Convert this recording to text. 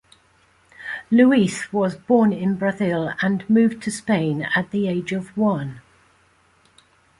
Luiz was born in Brazil and moved to Spain at the age of one.